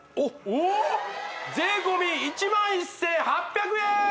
おーっ税込１１８００円